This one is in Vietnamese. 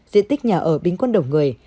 diện tích nhà ở bình quân đồng người